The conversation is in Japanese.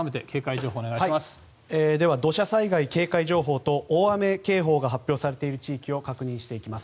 土砂災害警戒情報と大雨警報が発表されている地域を確認していきます。